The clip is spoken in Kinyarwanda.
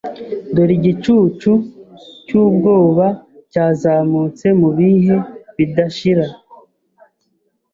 Dore igicucu cyubwoba cyazamutse Mubihe bidashira